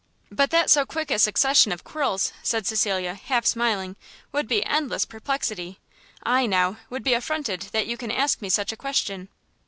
"But that so quick a succession of quarrels," said Cecilia, half smiling, "would be endless perplexity, I, now, would be affronted that you can ask me such a question."